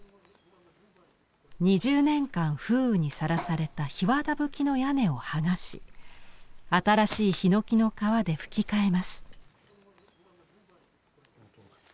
２０年間風雨にさらされた檜皮葺きの屋根を剥がし新しいひのきの皮で葺き替えます。